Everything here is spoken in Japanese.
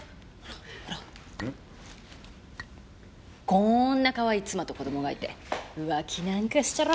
こーんなかわいい妻と子供がいて浮気なんかしたら！